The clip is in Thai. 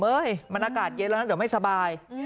มันอากาศเย็นแล้วนะเดี๋ยวไม่สบาย